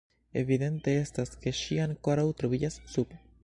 Evidente estas, ke ŝi ankoraŭ troviĝas sub.